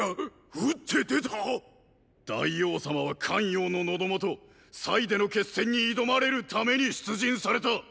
打って出た⁉大王様は咸陽の喉元“”での決戦に挑まれるために出陣された！